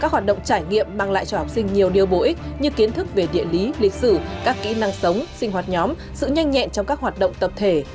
các hoạt động trải nghiệm mang lại cho học sinh nhiều điều bổ ích như kiến thức về địa lý lịch sử các kỹ năng sống sinh hoạt nhóm sự nhanh nhẹn trong các hoạt động tập thể